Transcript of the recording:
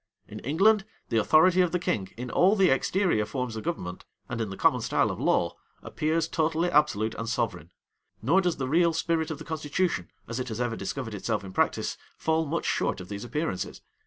In England, the authority of the king, in all the exterior forms of government, and in the common style of law, appears totally absolute and sovereign; nor does the real spirit of the constitution, as it has ever discovered itself in practice, fall much short of these appearances.